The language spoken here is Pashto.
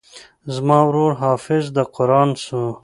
زما ورور حافظ د قران سو.